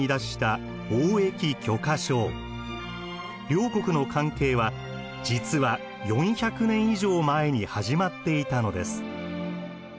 両国の関係は実は４００年以上前に始まっていたのです。